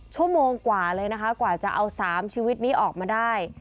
ชั่วโมงกว่าเลยนะคะกว่าจะเอา๓ชีวิตนี้ออกมาได้